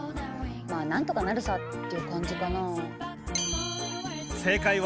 まあなんとかなるさっていう感じかなぁ。